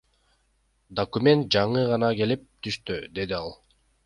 Документ жаңы гана келип түштү, — деди ал.